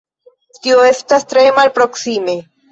Tio estas tre malproksime.